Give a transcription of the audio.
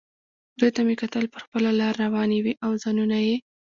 دوی ته مې کتل، پر خپله لار روانې وې او ځانونه یې.